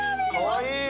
かわいい！